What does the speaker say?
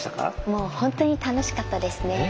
もうほんとに楽しかったですね。